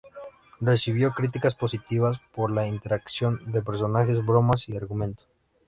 Recibió críticas positivas por la interacción de personajes, bromas y argumento.